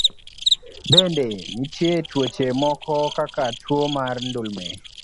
Bende, nitie tuoche moko kaka tuo mar ndulme.